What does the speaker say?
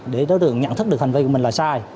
để đối tượng nhận thức được hành vi của mình là sai